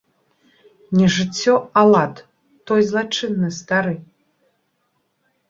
Не жыццё, а лад, той злачынны стары.